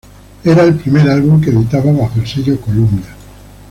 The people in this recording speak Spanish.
Era el primer álbum que editaba bajo el sello Columbia.